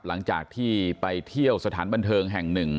หลังจากที่ไปเที่ยวสถานบันเทิงแห่งหนึ่ง